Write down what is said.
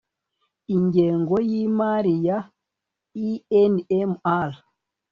ingengo y’ imari ya inmr